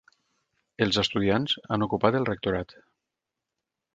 Els estudiants han ocupat el rectorat.